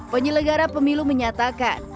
penyelenggara pemilu menyatakan